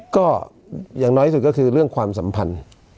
ก็อย่างน้อยสุดก็คือเรื่องความสัมพันธ์